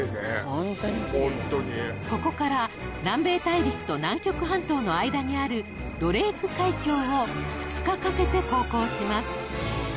ここから南米大陸と南極半島の間にあるドレーク海峡を２日かけて航行します